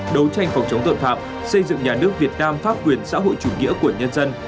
đấu tranh phòng chống tội phạm xây dựng nhà nước việt nam pháp quyền xã hội chủ nghĩa của nhân dân